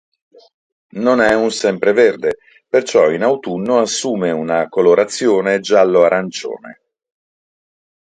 Non è un sempreverde, perciò in autunno assume una colorazione giallo-arancione.